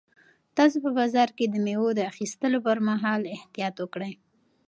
تاسو په بازار کې د مېوو د اخیستلو پر مهال احتیاط وکړئ.